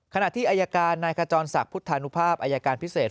ขณะที่อายการนายขจรศักดิ์พุทธานุภาพอายการพิเศษ